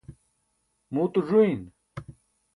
muuto ẓuyin